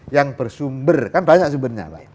yang bersumber kan banyak sumbernya